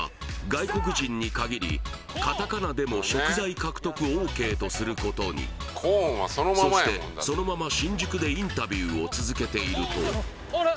外国人に限りカタカナでも食材獲得ＯＫとすることにそしてそのまま新宿でインタビューを続けているとあれ？